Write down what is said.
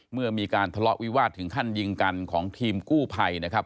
เมื่อมีการทะเลาะวิวาสถึงขั้นยิงกันของทีมกู้ภัยนะครับ